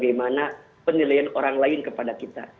bagaimana penilaian orang lain kepada kita